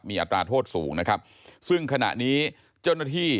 มีอัตราโทษสูงนะครับซึ่งขณะนี้เจ้าหน้าที่